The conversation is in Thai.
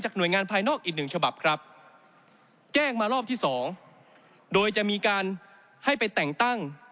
แจ้งมารอบที่๒โดยจะมีการให้ไปแต่งตั้ง